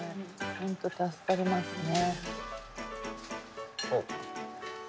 本当助かりますね。